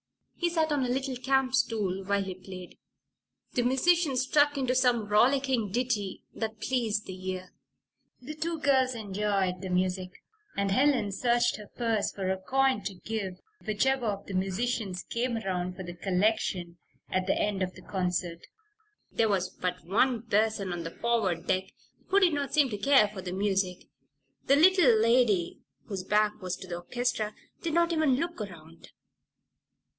He sat on a little campstool while he played. The musicians struck into some rollicking ditty that pleased the ear. The two girls enjoyed the music, and Helen searched her purse for a coin to give whichever of the musicians came around for the collection at the end of the concert. There was but one person on the forward deck who did not seem to care for the music. The little lady, whose back was to the orchestra, did not even look around.